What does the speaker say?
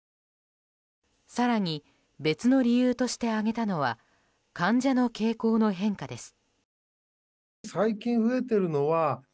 更に、別の理由として挙げたのは患者の傾向の変化です。